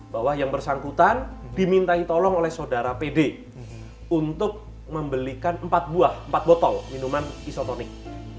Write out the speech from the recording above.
bahwa yang bersangkutan dimintai tolong oleh saudara pd untuk membelikan empat buah empat botol minuman isotonik